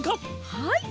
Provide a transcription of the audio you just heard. はい！